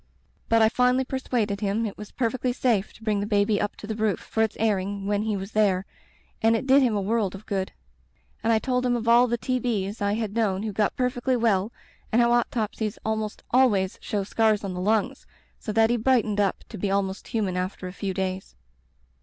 But I finally persuaded him it was per fectly safe to bring the baby up to the roof for its airing when he was there, and it did him a world of good. And I told him of all the T'b's I had known who got perfecdy well and how autopsies almost always show scars on the lungs, so that he brightened up to be almost human after a few days.